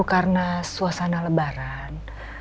karena suasana lebaran